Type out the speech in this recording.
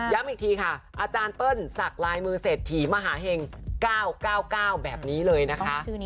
อีกทีค่ะอาจารย์เปิ้ลสักลายมือเศรษฐีมหาเห็ง๙๙๙๙แบบนี้เลยนะคะ